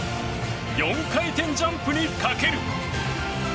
４回転ジャンプにかける！